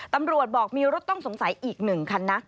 ตำรวจบอกมีรถต้องสงสัยอีก๑คันนะ